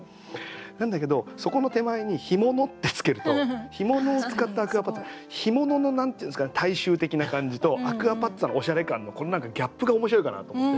なんだけどそこの手前に「干物」ってつけると干物を使ったアクアパッツァ干物の何て言うんですかね大衆的な感じとアクアパッツァのおしゃれ感のこの何かギャップが面白いかなと思って。